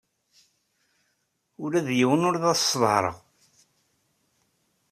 Ula d yiwen ur as-sseḍhareɣ.